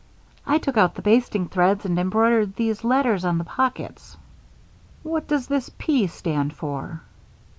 "I took out the basting threads and embroidered these letters on the pockets." "What does this 'P' stand for?"